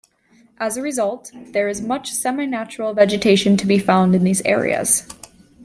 As a result, there is much semi-natural vegetation to be found in these areas.